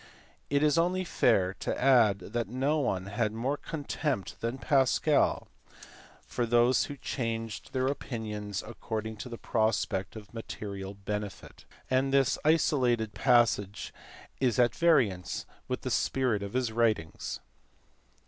It is only fair to add that no one had more contempt than Pascal for those who changed their 288 MATHEMATICS FROM DESCARTES TO HUYGENS. opinions according to the prospect of material benefit, and this isolated passage is at variance with the spirit of his writings.